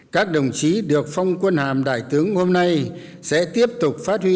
các đồng chí được phong quân hàm đại tướng hôm nay sẽ tiếp tục phát huy